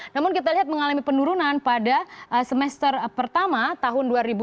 namun kita lihat mengalami penurunan pada semester pertama tahun dua ribu dua puluh